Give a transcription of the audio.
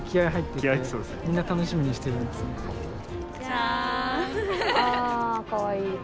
ああかわいい。